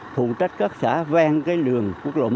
phụ trách các xã vang cái lường quốc lộ một